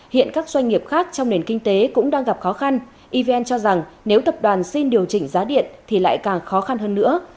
hiện các doanh nghiệp khác trong nền kinh tế cũng đang gặp khó khăn evn cho rằng nếu tập đoàn xin điều chỉnh giá điện thì lại càng khó khăn hơn nữa